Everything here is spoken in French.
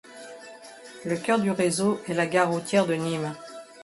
Le cœur du réseau est la gare routière de Nîmes.